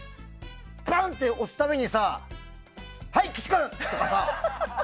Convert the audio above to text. バンって押すためにさはい、岸君とかさ！